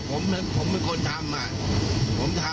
หน่วยงานของผมผมไม่ควรทำ